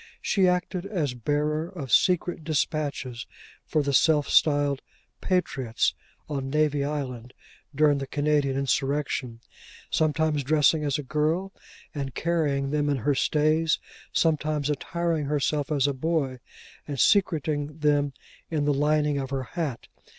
She acted as bearer of secret despatches for the self styled Patriots on Navy Island, during the Canadian Insurrection: sometimes dressing as a girl, and carrying them in her stays; sometimes attiring herself as a boy, and secreting them in the lining of her hat.